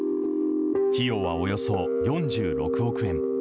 費用はおよそ４６億円。